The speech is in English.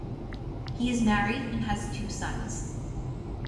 He is married, and has two sons.